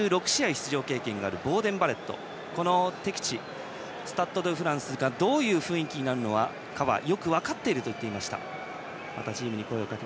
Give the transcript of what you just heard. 出場経験があるボーデン・バレットは敵地スタッド・ド・フランスがどういう雰囲気になるかはよく分かっていると話していました。